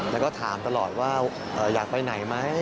แล้วก็ถามตลอดว่าอยากไปไหนไหม